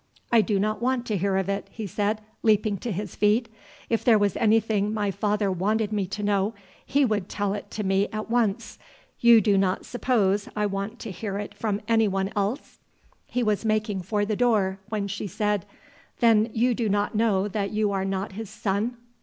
"I do not want to hear of it," he said, leaping to his feet. "If there was anything my father wanted me to know he would tell it to me at once. You do not suppose I want to hear it from anyone else?" He was making for the door, when she said, "Then you do not know that you are not his son?"